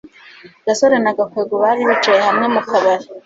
gasore na gakwego bari bicaye hamwe mu kabari